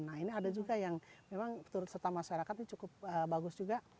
nah ini ada juga yang memang turut serta masyarakat ini cukup bagus juga